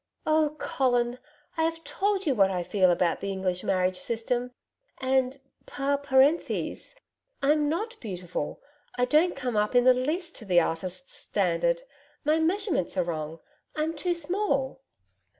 'Oh, Colin, I've told you what I feel about the English marriage system. And, PAR PARENTHESE, I'm not beautiful. I don't come up in the least to the artist's standard. My measurements are wrong. I'm too small.'